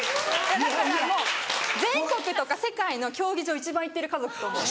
だからもう全国とか世界の競技場一番行ってる家族と思う。